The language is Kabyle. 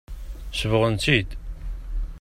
Sebɣent-t-id.